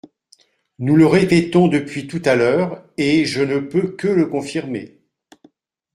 Nous le répétons depuis tout à l’heure, et je ne peux que le confirmer.